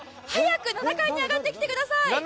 早く７階に上がってきてください！